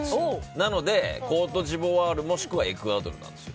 なので、コートジボワールもしくはエクアドルなんですよ。